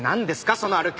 その歩き方！